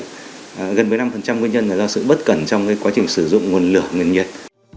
gần với năm nguyên nhân là do sự bất cẩn trong quá trình sử dụng nguồn lửa nguồn nhiệt